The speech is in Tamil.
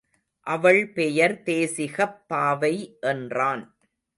அவள் பெயர் தேசிகப் பாவை என்றான்.